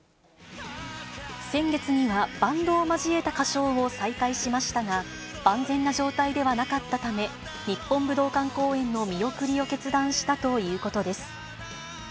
先月にはバンドを交えた歌唱を再開しましたが、万全な状態ではなかったため、日本武道館公演の見送りを決断したということです。